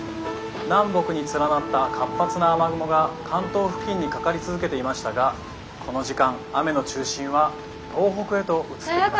南北に連なった活発な雨雲が関東付近にかかり続けていましたがこの時間雨の中心は東北へと」。